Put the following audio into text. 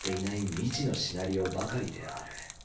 未知のシナリオばかりである。